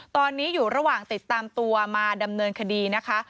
ตอนนี้อยู่ระหว่างติดตามตัวมาดำเนินคดีนะคะ